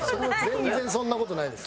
全然そんな事ないです。